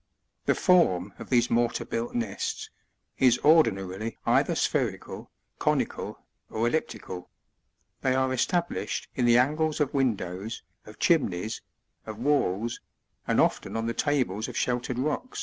The form of these mortar built nests, is ordinarily either spherical, conical, or elliptical ; they are established in the angles of windows, of chimnies, of walls, and often on the tables of sheltered rocks.